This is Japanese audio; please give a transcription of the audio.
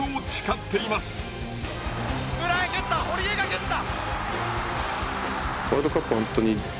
裏へ蹴った堀江が蹴った！